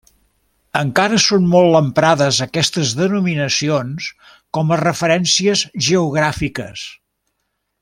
Encara són molt emprades aquestes denominacions com a referències geogràfiques.